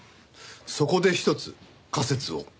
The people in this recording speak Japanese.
そこでひとつ仮説を。